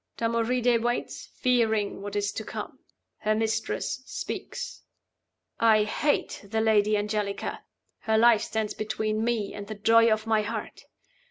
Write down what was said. (Damoride waits, fearing what is to come. Her mistress speaks.) 'I hate the Lady Angelica. Her life stands between me and the joy of my heart.